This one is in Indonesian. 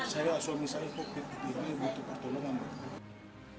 saya suami saya covid sembilan belas butuh pertolongan